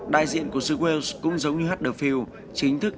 đại diện của sir wales cũng giống như hudderfield